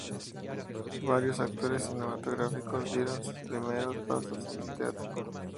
Varios actores cinematográficos dieron sus primeros pasos en el teatro.